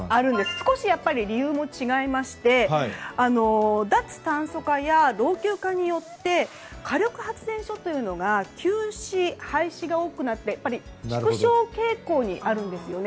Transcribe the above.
少し理由も違いまして脱炭素化や老朽化によって火力発電所が休止、廃止が多くなって縮小傾向にあるんですよね。